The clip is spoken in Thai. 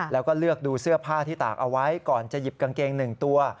แล้วก็เลือกดูเสื้อผ้าที่ตากเอาไว้ก่อนจะหยิบกางเกง๑ตัว